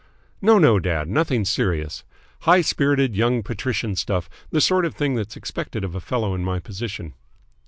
"No, no, dad. Nothing serious. High spirited Young Patrician stuff, the sort of thing that's expected of a fellow in my position."